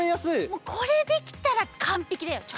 もうこれできたらかんぺきだよ！